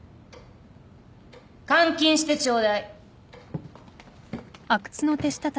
換金してちょうだい。